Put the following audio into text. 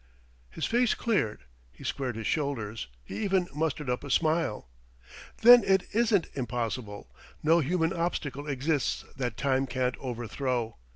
His face cleared. He squared his shoulders. He even mustered up a smile. "Then it isn't impossible. No human obstacle exists that time can't overthrow.